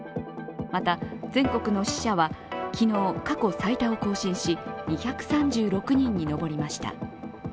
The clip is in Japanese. また、全国の死者は昨日、過去最多を更新し２３６人に上りました。